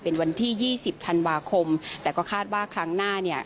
เป็นวันที่ยี่สิบธันวาคมแต่ก็คาดว่าครั้งหน้าเนี่ย